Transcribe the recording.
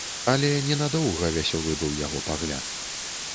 Але ненадоўга вясёлы быў яго пагляд.